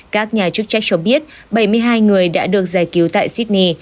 các nhà chức trách cho biết bảy mươi hai người đã được giải cứu tại sydney